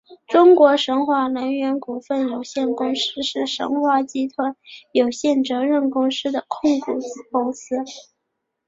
中国神华能源股份有限公司是神华集团有限责任公司的控股子公司。